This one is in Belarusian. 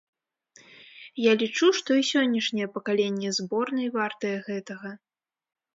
Я лічу, што і сённяшняе пакаленне зборнай вартае гэтага.